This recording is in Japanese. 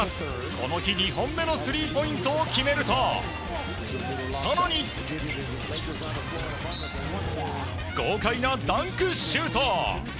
この日２本目のスリーポイントを決めると更に、豪快なダンクシュート！